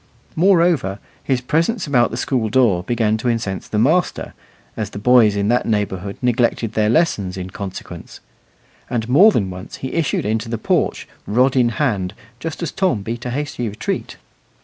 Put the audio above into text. Moreover, his presence about the school door began to incense the master, as the boys in that neighbourhood neglected their lessons in consequence; and more than once he issued into the porch, rod in hand, just as Tom beat a hasty retreat.